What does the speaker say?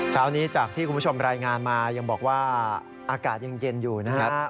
เช้านี้จากที่คุณผู้ชมรายงานมายังบอกว่าอากาศยังเย็นอยู่นะครับ